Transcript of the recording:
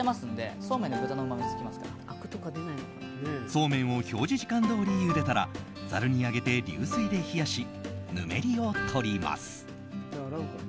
そうめんを表示時間どおりゆでたらざるにあげて流水で冷やしぬめりをとります。